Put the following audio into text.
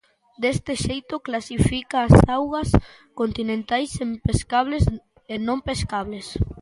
Deste xeito, clasifica as augas continentais en pescables e non pescables.